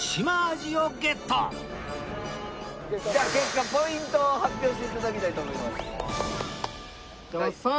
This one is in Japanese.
じゃあ結果ポイントを発表して頂きたいと思います。